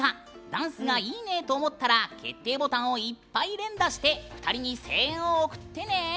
ダンスがいいねと思ったら決定ボタンをいっぱい連打して２人に声援を送ってね。